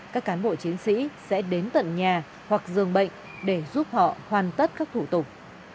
các cán bộ chiến sĩ sẽ đến tận nhà hoặc dường bệnh để giúp họ hoàn tất các thủ tục